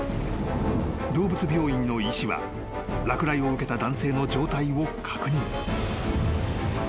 ［動物病院の医師は落雷を受けた男性の状態を確認］